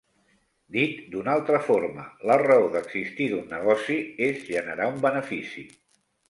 Dit d'una altra forma, la raó d'existir d'un negoci és generar un benefici.